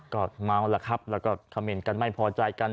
ก็เม้าท์แล้วก็คำเม้นกันไม่พอใจกัน